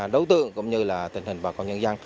đối tượng cũng như là tình hình bà con nhân dân